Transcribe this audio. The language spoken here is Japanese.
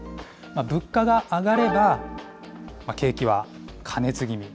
物価が上がれば、景気は過熱気味。